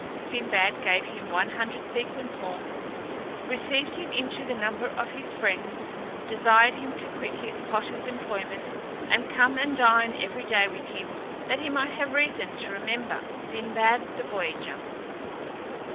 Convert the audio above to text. Sinbad gave him one hundred sequins more, received him into the number of his friends, desired him to quit his porter's employment, and come and dine every day with him, that he might have reason to remember Sinbad the voyager.